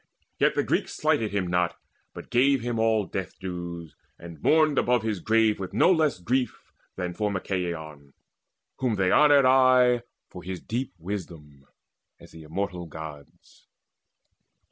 Yet the Greeks Slighted him not, but gave him all death dues, And mourned above his grave with no less grief Than for Machaon, whom they honoured aye, For his deep wisdom, as the immortal Gods.